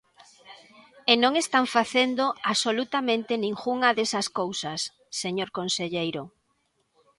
E non están facendo absolutamente ningunha desas cousas, señor conselleiro.